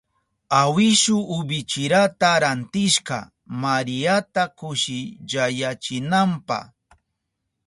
Awishu ibichirata rantishka Mariata kushillayachinanpa.